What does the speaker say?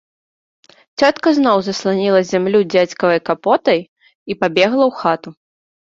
Цётка зноў засланіла зямлю дзядзькавай капотай і пабегла ў хату.